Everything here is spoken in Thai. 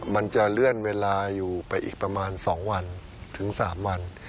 มันจะเลื่อนเวลาอยู่ไปอีกประมาณ๒วันถึง๓วัน